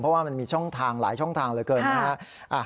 เพราะว่ามันมีช่องทางหลายช่องทางเหลือเกินนะฮะ